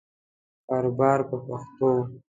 کاروبار په پښتو.